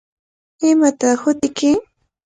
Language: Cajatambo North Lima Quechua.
¿Imataq hutiyki?